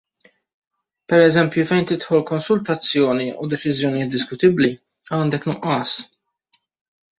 Pereżempju fejn tidħol konsultazzjoni u deċiżjonijiet diskutibbli għandek nuqqas.